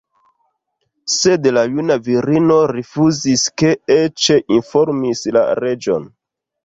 Sed la juna virino rifuzis kaj eĉ informis la reĝon.